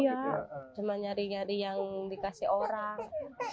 iya cuma nyari nyari yang dikasih orang